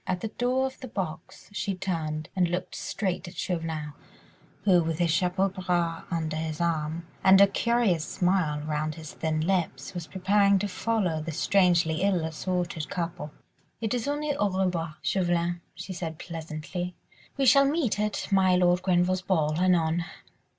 At the door of the box she turned and looked straight at Chauvelin, who, with his chapeau bras under his arm, and a curious smile round his thin lips, was preparing to follow the strangely ill assorted couple. "It is only au revoir, Chauvelin," she said pleasantly, "we shall meet at my Lord Grenville's ball, anon."